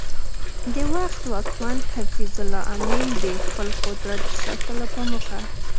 د وخت واکمن حفیظ الله امین د خپل قدرت د ساتلو په موخه